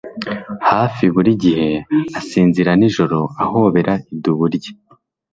hafi buri gihe asinzira nijoro ahobera idubu rye.